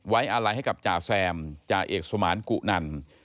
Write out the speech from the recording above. อะไรให้กับจ่าแซมจ่าเอกสมานกุนัน